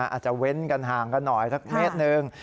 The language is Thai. อาจจะเว้นกันห่างกันหน่อยสักเมตรหนึ่ง